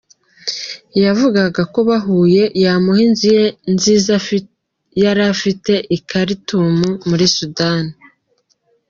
Yavugaga ko bahuye yamuha inzu ye nziza yari afite i Khartoum muri Soudan.